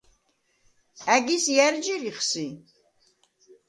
ა̈გის ჲა̈რ ჯირიხ სი?